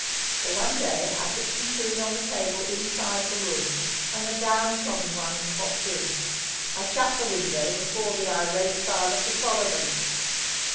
So one day I put some food on the table inside the room, and the down trodden ones hopped in. I shut the window before the irate father could follow them.